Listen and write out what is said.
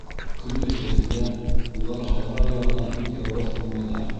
Көн эҫеһендә улар һайрау яғына бик әүәҫ булмайҙар.